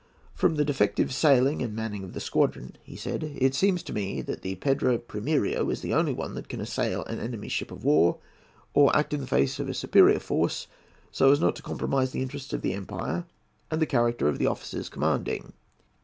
"From the defective sailing and manning of the squadron," he said, "it seems to me that the Pedro Primiero is the only one that can assail an enemy's ship of war, or act in the face of a superior force so as not to compromise the interests of the empire and the character of the officers commanding.